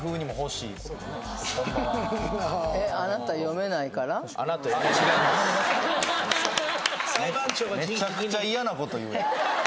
めちゃくちゃ嫌なこと言うやん